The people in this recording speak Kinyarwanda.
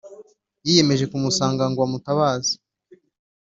, yiyemeje kumusanga ngo amutabaze.